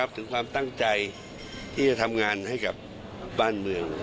ถึงความตั้งใจที่จะทำงานให้กับบ้านเมือง